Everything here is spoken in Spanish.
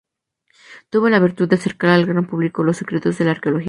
Tuvo la virtud de acercar al gran público los secretos de la arqueología.